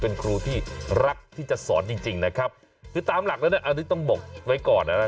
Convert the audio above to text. เป็นครูที่รักที่จะสอนจริงจริงนะครับคือตามหลักแล้วเนี่ยอันนี้ต้องบอกไว้ก่อนนะ